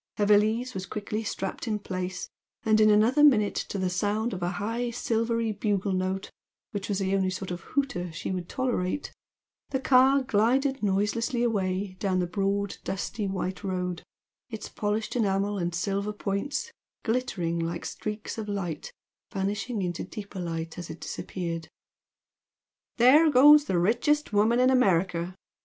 Her valise was quickly strapped in place, and in another minute to the sound of a high silvery bugle note (which was the only sort of "hooter" she would tolerate) the car glided noiselessly away down the broad, dusty white road, its polished enamel and silver points glittering like streaks of light vanishing into deeper light as it disappeared. "There goes the richest woman in America!"